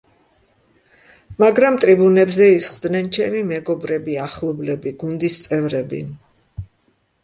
მაგრამ ტრიბუნებზე ისხდნენ ჩემი მეგობრები, ახლობლები, გუნდის წევრები.